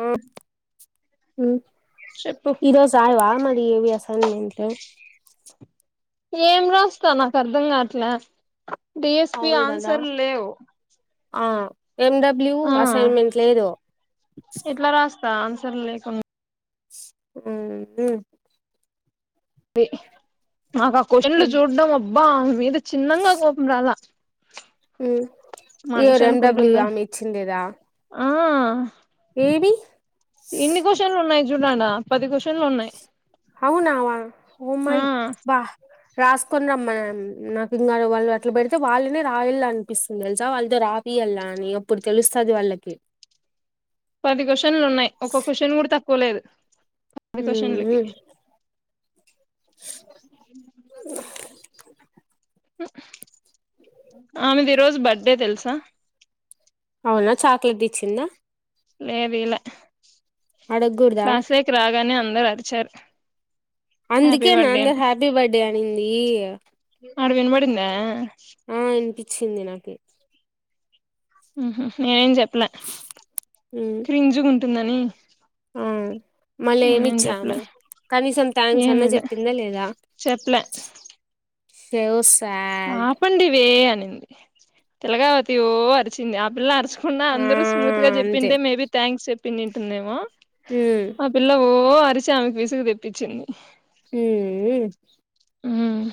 ఊ చెప్పు ఇరోసారివామ ఏవి అసన్మెంటు ఏం రాస్త నాక్ అర్ధం గాట్ల డి ఎస్ పి అవును కదా ఆన్సర్ లేవు ఆ ఎమ్ డబ్ల్యూ ఆ అసైన్మెంట్ లేదు సరె లేకున్న ఊ ఉమ్ మాక్ ఆ క్యూశన్లు చూడ్డం అబ్బా ఆ మీద చిన్నంగ కోపం రాల ఉ యర్ ఎన్ డబ్ల్యూ ఆమిచ్చిందేద ఆ ఏవి ఇన్ని క్వశ్చన్లున్నాయి చూడు అడా పది క్వశ్చన్లున్నాయ్ అవునావా ఓ మై బ్బ రాస్కొన్ రమ్మనన్ నాకు ఇంగ ఆళ్ళు వాళ్ళు అట్ల బెడ్తే వాళ్ళనే రాయల్లన్పిస్తుంది తెల్సా వాళ్తో రాప్ ఈయల్లా అని అప్పుడు తెలుస్తది వాళ్ళకి పది క్వశ్చన్లున్నాయ్ ఒక క్వశ్చన్ కూడ తక్కులేదు పది క్వశ్చన్లకి ఉమ్ ఆమెది ఈరోజు బర్త్డే దెల్సా అవునా చాక్లెట్ ఇచ్చిందా లేద్ ఇయలే అడగకూడదా క్లాసేక్ రాగానే అందర్ అరిచారు హ్యాపీ అందుకేనా బర్త్డే అందర్ అని హ్యాపీ బర్త్డే అనింది ఆడకి విన్బడింద ఆ ఇన్పిచ్చింది నాకి ఊహు నేనేం చెప్లే ఉమ్ క్రింజుగ్ ఉంటుందని మలేమిచ్చే చెప్పలే ఆమె కనీసం థ్యాంక్స్ అన్న చెప్పిందా లేదా ప్లే సేవోస్ ఆపండి వే అనింది తెలగావతి ఓ అరిచింది ఆ పిల్ల అరిచ్ ఖున్న ఆ అందరూ స్మూత్ గ అంతే చెప్పింటే మేబి థ్యాంక్స్ చెప్పినుంటుందేమో ఉమ్ ఆ పిల్ల ఓ అరిచి ఆమెక్ విసుగు తెప్పిచ్చింది మ్మ్ మ్ ఉమ్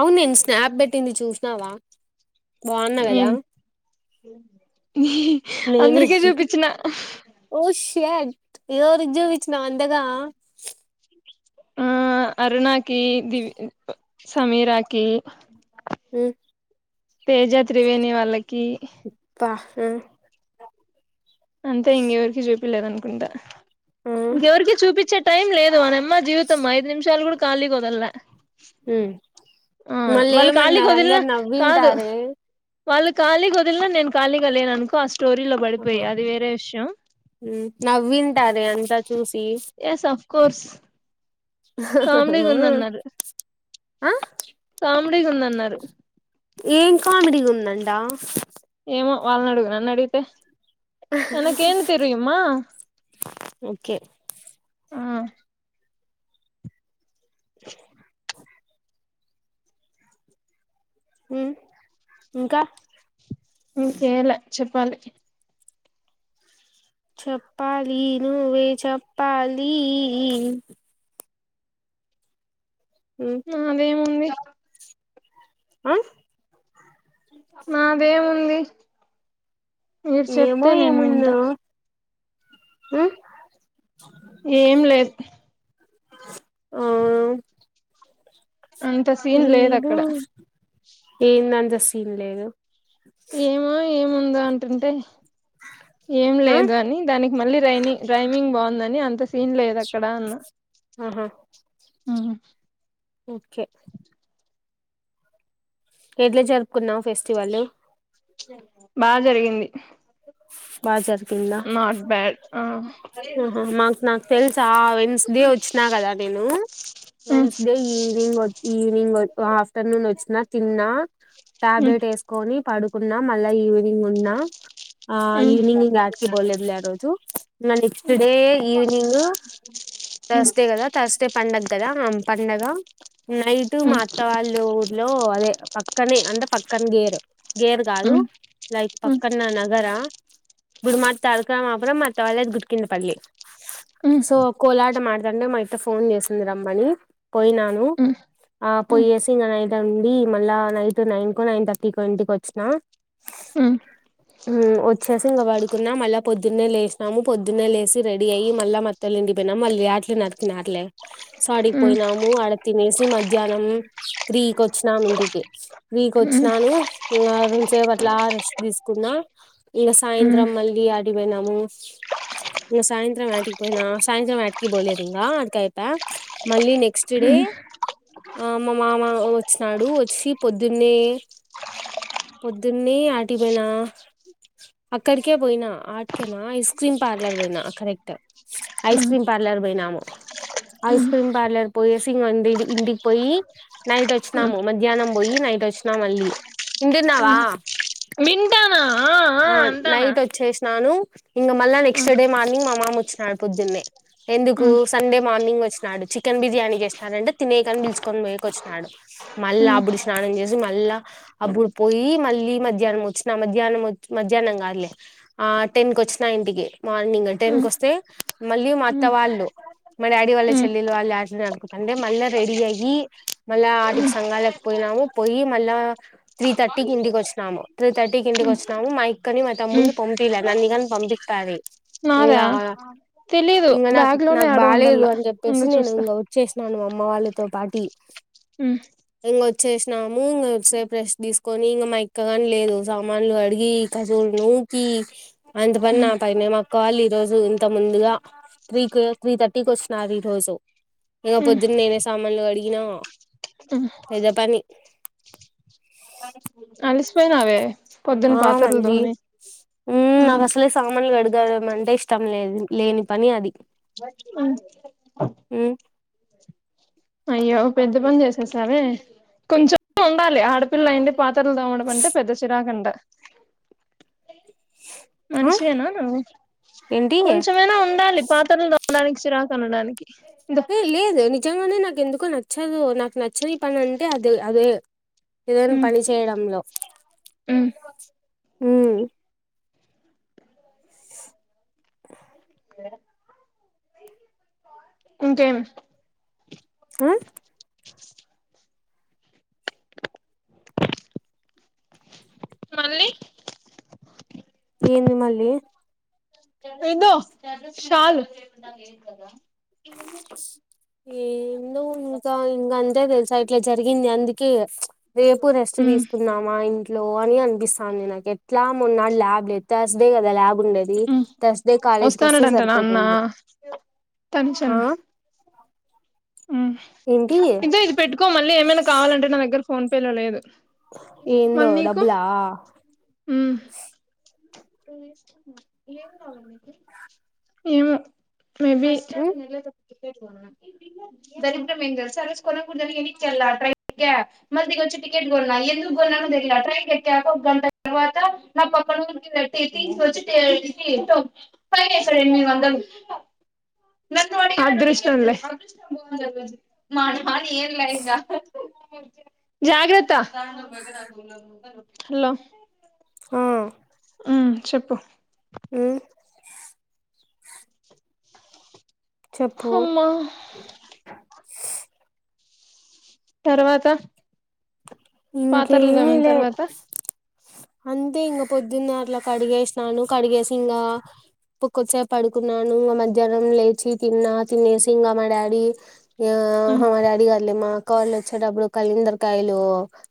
అవున్ నేన్ స్నాప్ బెట్టింది చూసినవా బోన గదా అందర్కి చూపిచ్చిన ఏట్ ఎవరిక్ జూపిచ్చినవ్ అంతగా ఆ అరుణాకి దివ్ ఉ ప్ సమీరాకి ఉ తేజ త్రివేణి వాళ్ళకి పా ఆ అంతె ఇంకెవరికి చూపియ్లేద్ అనుకుంటా ఆ ఇంకెవర్కి చూపచ్చే టైం లేదు ఆ నమ్ మ్మ జీవితం ఐదు నిమిషాలు కూడా కాలేదల్లా ఉమ్ ఆ మళ్ళీ వాళ్ళు ఖాళీగ ఏమన్నారు ఒదిల్నా అందరు కాదు నవ్వింటారే వాళ్ళు ఖాళీగ ఒదిల్న నేన్ కాలిగా లేననుకో అస్ టోరీలొ బడిపొయి ఆహా అది వేరే విష్యం టాదే అంతా చూసి కోర్స్ కామెడీగా ఉందన్నారు ఆహ్ కామెడీగుందన్నారు ఏం కామెడీ ఉందంటా ఏమో వాళ్ళనడుగు నన్ను అడిగితే ననకేంటి తెరియుమ్మా ఓకే ఆ ఉ ఇంకా ఇంకేలే చెప్పాలి చప్పాలి నువ్వే చెప్పాలీ నాదేముంది అ నాదేముంది మీరు ఏమో చెప్తే నేను వింటా ఏముందో ఆహ్ ఏం లేదు ఓ అంత సీన్ లేదు అక్కడ ఏందంత సీన్ లేదు ఏమో ఏముందో అంటుంటే ఏం ఆ లేదు అని దానికి మళ్ళీ రైనింగ్ రైమింగ్ బాగుందని అంత సీన్ లేదక్కడ అన్న ఆహా ఊ ఓకే ఎట్ల జర్పుకున్నావు ఫెస్టివలు బా జరిగింది బాజార్గిందా నాట్ బ్యాడ్ ఆ ఆహా మాకు నాకు తెల్సా ఆ ఎన్స్దే వచ్చిన న కదా నేను వెన్స్డే ఈవినింగ్ ఈవినింగ్ గొ ఆఫ్టర్నూన్ ఒచ్చిన తిన్నా టాబ్లెట్ ఏస్కొని పడుకున్న మళ్ళ ఈవినింగున్నా ఆ ఈవినింగ్ యాట్కి పోలేదులే ఆ రోజు ఇంగ నెక్స్ట్ డే ఈవనింగు థర్స్డే కదా థర్స్డే పండగ గదా ఆ పండగ నైటు మా అత్తవాళ్ళ ఊర్లో అదే పక్కనే అంటే పక్క పక్కన గేరు గేరు కాదు లైక్ పక్కన నా ఆ గుడి మాట్ తాలుక అపురం మ వాళ్ళది గుడికింద్పల్లి ఆహ్ అ మాడతంటే మా ఇతే ఫోన్ చేసింది రమ్మని పోయినాను ఆ పోయ్యేసి ఇంగ నైట్ ఉండి మళ్ళా నైట్ నైన్ కో నైన్ థర్టీ కు ఇంటికోచ్చినా అ ఊ వచ్చేసి ఇంగ పడుకున్నా మళ్ళా పొద్దున్నే లేచినాము పొద్దున్నే లేసి రెడీ అయ్యి మళ్ళ మత్తలింది పోయిన మళ్ళీ అట్లే నకిన అట్లే సడిపోయినాము అడ తినేసి మధ్యాహ్నం ఈ కోచ్చినాం ఇంటికి ఈ కోచ్చినాను రసేపట్లా రెస్ట్ తీసుకున్నా ఇగ సాయంత్రం మళ్ళ అడివోనము ఇకా సాయంత్రం ఆటికి పోయినా సాయంత్రం ఆటికి పోలేదు ఇంకా అదికైతే మళ్ళీ నెక్స్ట్ డే ఆ మా మామ ఓచ్చినాడు ఓచ్చి పొద్దున్నే పొద్దున్నే ఆటిపోయినా అక్కడికే పోయినా ఆటికేనా ఐస్ క్రీమ్ పార్లర్ పోయినా కరెక్ట్ ఐస్ క్రీమ్ పార్లర్ పోయినా నము ఐస్ క్రీమ్ పార్లర్ పోయిసి ఇగ ఇంటికి పోయి నైట్ ఓచ్చినాము మ మధ్యాహ్నం పోయి నైట్ ఓచ్చినా మళ్ళీ ఉ వింటున్నావా వింటానా ఆ ఆ ఆ అంటానా నైట్ ఓచ్చేస్నాను ఇంక మళ్ళా నెక్స్ట్ డే మార్నింగ్ మా మామ ఓచ్చినాడు పొద్దున్నే ఎందుకు సండే మార్నింగ్ ఒచ్చినాడు చికెన్ బిర్యానీ చేస్తానంటే తినే గన్ పిలుచకొని పో పోయక ఒచ్చినాడు మళ్లా అబుడు స్నానం చేసి మళ్ళా అబుడు పోయి మళ్ళీ ఈ మధ్యాహ్నం వచ్చిన మధ్య మధ్యాహ్నం వొచి మధ్యాహ్నం కాదులే ఆ టెన్కి వచ్చిన ఇంటికి మార్నిగ్ వస్తే మళ్లీ మా అత్త వాళ్లు మా డాడీ వాళ్ళ చెల్లిలు వాళ్ళు ఆటలు ఆడుకుంతాంటే మళ్ళీ రెడీ అయ్యి మళ్ళీ ఆడాకి సంఘలకి పోయి ము పోయి మళ్లా త్రీ తర్టీకి ఇంటికి వచ్చినాము త్రీ తర్టీ ఇంటికింటికి వచ్చినాము మా ఇక్కని మా తమ్ముని పంపిలే నన్న కాని పంపిత్తాది నాదా ఇంకా తెలీదు ఇంగ నాకు బ్యాగ్ లోనే నాకు యాడో బాలేదు ఉండల్లా అని జేప్పేసి ఉండు నేను చూస్తా ఇంక వచ్చేసినాను అమ్మ వాళ్ళతో పాటు తీ ఉహ్ వచ్చేసినాము ఇంగ కొదిసేపు రెష్ట్ తీసుకొని ఇంకా మా ఇక్కగాని లేదు సామాన్లు అడిగి కజూలు నూకి అంత పని ఉమ్ నాకు మా అక్క వాళ్లు ఈ రోజు ఇంతకు ముం ముందుగా త్రీకి త్రీ థర్టీకి వచ్చినారు ఈ రోజు ఇగా ఉమ్ పొద్దున్నే నేనే సామాన్లు కడిగినా ఉమ్ పెద్ద పని అలిసిపోయినావే పొద్దున్న ఆ పాత్రలు మళ్ళి తోమి ఉమ్ నాకు అస్సలే సామానులు గడ్ గడామంటే ఇష్టం లేదు లేని పని అది ఉమ్ ఉ అయ్యో పెద్ద పని చేసేసావే కొంచెం ఉండాలే ఆడపిల్ల అయుండి పాత్రలు తోమడం అంటే పెద్ద చిరాకంట ఆ మనిషివేనా నువ్వు ఏంటి ఏ కొంచెమైనా ఉండాలి పాత్రలు డానికి చిరాకు అనడానికి ఇదో ఏ లేదు నిజంగానే నాకు ఎందుకో నచ్చదు నాకు నచ్చని పని అంటే అదే అదే ఏదైన ఉమ్ పనిచేయడంలో ఉమ్ ఉమ్ స్ హ్ ఇంకేం ఆ మళ్ళీ ఏంది మళ్లీ ఇదో శాలు ఏందో ఇంకా ఇంగ అంతే తెలుసా ఇట్లా జరిగింది అందుకేగ రేపు రెస్ట్ ఉమ్ తీసుకున్నామా ఇంట్లో అని అనిపిస్తంది నాకు ఎట్లా మొన్నా ల్యాబ్ లేదు థర్స్డే గదా ల్యాబ్ ఉండది ఉమ్ థార్స్డే కాలేజీ కి వస్తే సరిపోతది కొంచెం ఉమ్ ఏంటి ఇగో ఇది పెట్టుకో మళ్ళీ ఏమైనా కావాలంటే నా దగ్గర ఫోన్ పేలో లేదు ఏందో మరి నీకొ డబ్బులా ఉ ఏం కావాలి మీకు ఏమో మేబి మ్మ్ దరిద్రం ఏం తెల్సా ఆరోజు కొనకూడదని ఎనక్కి ఎల్లా ట్రైన్గా మల్ దిగోచ్చి ట్రేన్ కొన్నాను ఎందుకు కొన్నాను క్క ట్రైన్ ఎట్టాక ఒక గంట తర్వాత నా పక్కన [unintelligible] ఫైన్ ఏసాడు ఎనిమిది వందలు నను అడిగాడు [unintelligible] అదృష్టం లే జాగ్రత్త హల్లో ఆ ఉమ్ చెప్పు అ చెప్పు అమ్మా తర్వాత పాత్రలు ఇంకేమి తోమిన లే తర్వాత అంతే ఇంగ పొద్దున్నే అట్లా కడిగేసినాను కడిగేసి ఇంగ ఒక్కొద్సేపు పడుకున్నాను ఇగ మధ్యాహ్నం లేచి తిన్నా తినేసి ఇంగా మా డాడీ యో మ్మ్ హో మా డాడీ గాదులే మాక్కళ్ళు ఓచ్చేటప్పుడు కల్ళందరకాయలు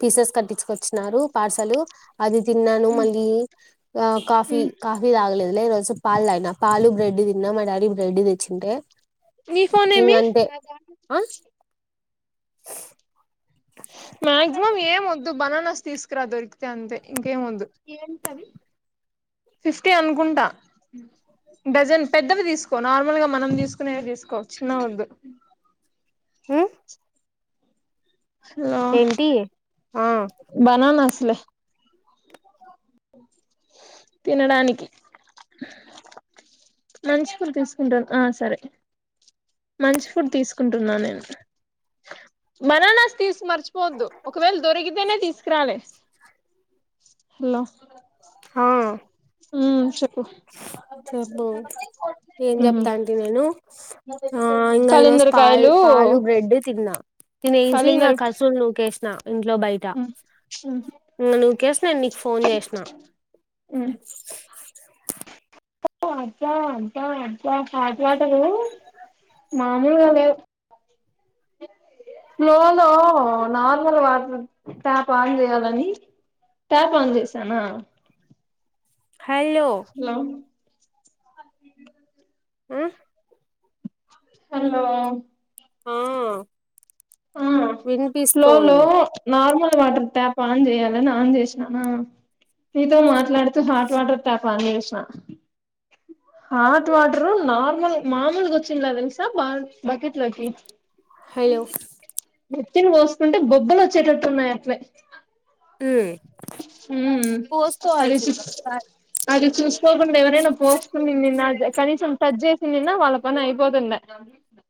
పీసెస్ కట్టించుకొచ్చిన్నారు పార్సలు అది తిన్నాను మ్మ్ మళ్ళీ ఆ కాఫీ మ్మ్ కాఫీ తాగలేదు లే ఈ రోజు పాలు తాగినా పాలు బ్రెడ్ తిన్నా మా డాడీ బ్రెడ్ తెచ్చుంటే ని ఫోనేమి నాద ఆ [unintelligible] మ్యాక్సిమం ఏం వద్దు బననాస్ తీస్కురా దొరికితే అంతే ఇంకేం వద్దు ఫిఫ్టీ అనుకుంటా డజన్ పెద్దవి తీసుకో నార్మల్గా మనం తీసుకునేవి తీసుకో చిన్న ఓదు ఊ ఆ ఆ బననాస్లే తినడానికి మంచి పులు తీసుకుంటను ఆ సరే మంచి ఫుడ్ తీసుకుంటున్నా నేను బనానాస్ తీస్ మర్చిపోద్దు ఒకవేళ దొరికితేనే తీసుకురాలే హలో హా ఊ చెప్పు చెప్పు ఏం చెప్తా అంటే నేను ఊ ఆ ఇంకా ఈరోజు కళింద్ర పాల్ కాయలు పాలు బ్రెడ్ తిన్నా తినేసి ఇంకా కలిందరు కసులు నూకేసిన ఇంట్లో బయట ఉమ్ ఉమ్ ఇంగ నుకేసి నేన్ నీకు ఫోన్ చేసిన అబ అబ అబ హాట్వాటరూ మామూల్గా లేవ్ లో లో నాలుగు [unintelligible] ట్యాప్ ఆన్ చేయాలని టాప్ ఆన్ చేసానా హల్లో హలో ఆ ఎందులో ఆ ఆ ఫ్లోలో వినిపిస్తోంది నార్మల్ వాటర్ టాప్ ఆన్ చేయాలని ఆన్ చేసిన ఆ నితో మాట్లాడుతూ హాట్ వాటర్ ట్యాపాన్ జేసినా హాట్ వాటరు నార్మల్ మామూల్గొచ్చిన దేల్సా బా బకెట్ బకెట్లోకి హలో నేతిన్ బోస్కుంటే బొబ్బలోచ్చేటట్టు ఉన్నాయి అట్లే ఏ ఊ అది చూ ఒకసారి అది చూసుకోకుండా ఎవరైనా పోస్కొని నిన్న కనీసం టచ్ జేసిందిన్న వాళ్ళ పనైపోతుండే